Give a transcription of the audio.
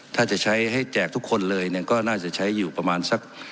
ถ้าจะใช้ให้แจกทุกคนเลยเนี่ยก็น่าจะใช้อยู่ประมาณสัก